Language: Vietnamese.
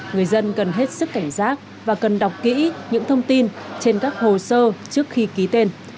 người dân cần hết sức cảnh giác và cần đọc kỹ những thông tin trên các hồ sơ trước khi ký tên